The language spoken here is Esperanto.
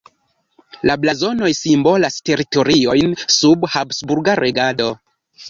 La blazonoj simbolas teritoriojn sub habsburga regado.